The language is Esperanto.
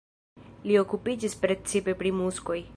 Li okupiĝis precipe pri muskoj.